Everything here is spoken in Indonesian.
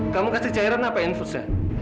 kamu kasih cairan apa infusnya